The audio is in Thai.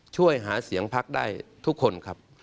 ช่วยหาเสียงพักได้ทุกคนครับ